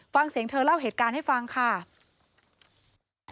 ฟังเสียงเธอเล่าเหตุการณ์ให้ฟังค่ะ